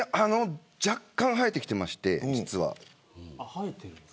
若干生えてきていまして実は。